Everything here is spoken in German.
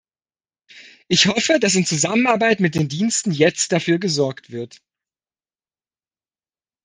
Ich hoffe, dass in Zusammenarbeit mit den Diensten jetzt dafür gesorgt wird.